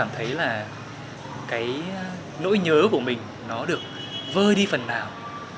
cảm thấy là cái nỗi nhớ của mình nó được vơi đi phần nào